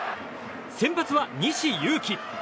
先発は西勇輝。